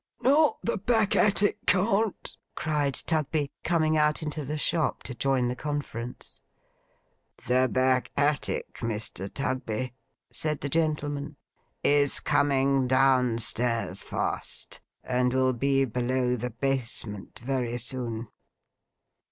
'Not the back attic can't!' cried Tugby, coming out into the shop to join the conference. 'The back attic, Mr. Tugby,' said the gentleman, 'is coming down stairs fast, and will be below the basement very soon.